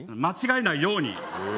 間違えないように。